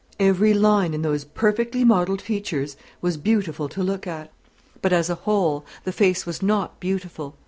Every line in those perfectly modelled features was beautiful to look at; but, as a whole, the face was not beautiful.